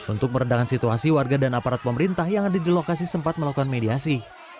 untuk meredakan situasi warga dan aparat pemerintah yang ada di lokasi sempat melakukan mediasi